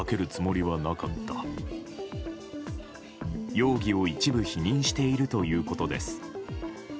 容疑を一部否認しているということです。